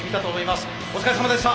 お疲れさまでした。